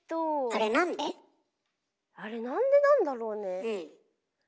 あれなんでなんだろうね。